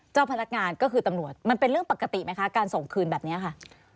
เจ้าพนักงานก็คือตำรวจมันเป็นเรื่องปกติไหมคะการส่งคืนแบบนี้ค่ะ